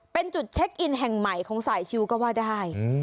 เป็นจุดเช็คอินแห่งใหม่ของสายชิวก็ว่าได้